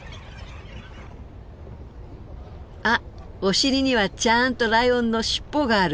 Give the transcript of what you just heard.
あっお尻にはちゃんとライオンの尻尾がある。